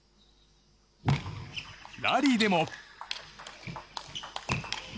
ラリーでも。